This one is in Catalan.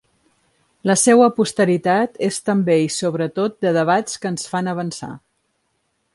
La seua posteritat és també i sobretot de debats que ens fan avançar.